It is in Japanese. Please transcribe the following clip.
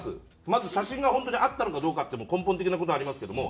まず写真が本当にあったのかどうかって根本的な事ありますけども。